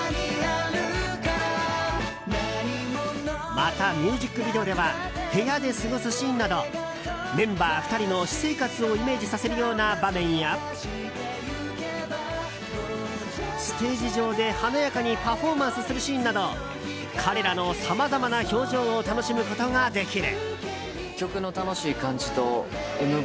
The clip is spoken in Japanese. またミュージックビデオでは部屋で過ごすシーンなどメンバー２人の私生活をイメージさせるような場面やステージ上で華やかにパフォーマンスするシーンなど彼らのさまざまな表情を楽しむことができる。